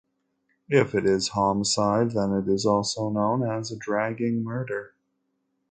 If it is homicide, then it is also known as a dragging murder.